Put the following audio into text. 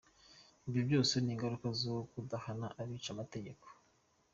Ibyo byose ni ingaruka zo kudahana abica amategeko.